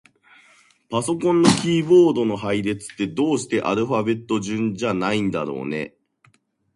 パソコンのキーボードの配列って、どうしてアルファベット順じゃないんだろうね。